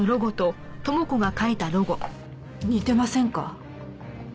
似てませんか？